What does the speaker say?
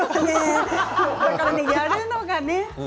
やるのがね。